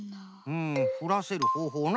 うんふらせるほうほうな。